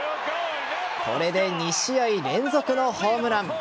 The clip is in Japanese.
これで２試合連続のホームラン。